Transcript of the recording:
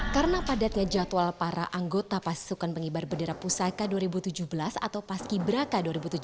karena padatnya jadwal para anggota pasukan penghibar bendera pusaka dua ribu tujuh belas atau pas ibraka dua ribu tujuh belas